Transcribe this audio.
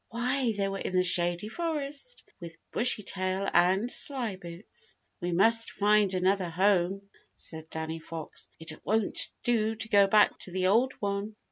Why, they were in the Shady Forest with Bushytail and Slyboots. "We must find another home," said Danny Fox. "It won't do to go back to the old one."